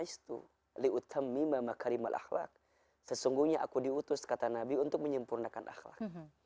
sesungguhnya aku diutus kata nabi untuk menyempurnakan ahlak